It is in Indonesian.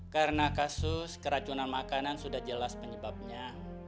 karena kasus keracunan makanan sudah jelas penyebabnya